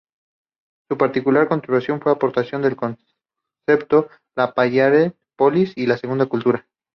Su particular contribución fue su aportación al concepto del "Parallel Polis," o "Segunda Cultura".